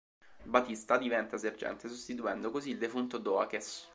Batista diventa sergente, sostituendo così il defunto Doakes.